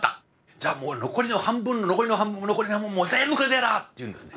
じゃあもう残りの半分の残りの半分の残りの半分も全部くれてやらあ」って言うんですね。